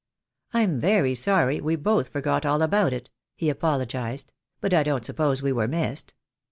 "I'm very sorry we both forgot all about it," he apologised, "but I don't suppose we were missed."